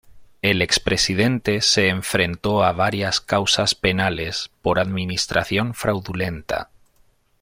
El expresidente se enfrentó a varias causas penales por administración fraudulenta.